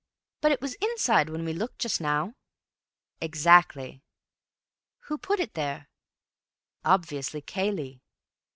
But it was inside when we looked just now." "Exactly." "Who put it there?" "Obviously Cayley."